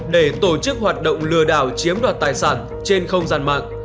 để tổ chức hoạt động lừa đảo chiếm đoạt tài sản trên không gian mạng